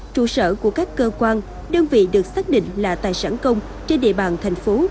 trụ sở của các cơ quan đơn vị được xác định là tài sản công trên địa bàn thành phố